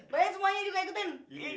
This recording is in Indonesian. baik semuanya juga ikutin